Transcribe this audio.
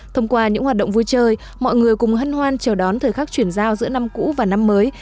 thông qua những hoạt động vui chơi mọi người cùng hân hoan chào đón thời khắc chuyển giao giữa năm cũ và năm mới